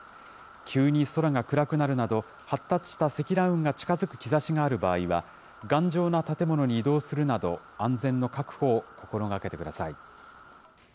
急に空が暗くなるなど、発達した積乱雲が近づく兆しがある場合は、頑丈な建物に移動するなど、安全の確保を心がけてください。